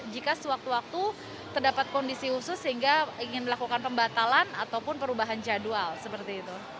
jika sewaktu waktu terdapat kondisi khusus sehingga ingin melakukan pembatalan ataupun perubahan jadwal seperti itu